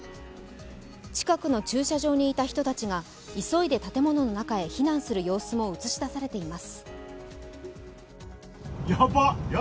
近くの駐車場にいた人たちが急いで建物の中へ避難する様子も映し出されています。